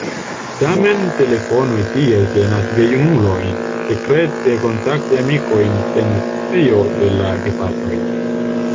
Tamen telefonoj tiaj tentas gejunulojn sekrete kontakti amikojn sen scio de la gepatroj.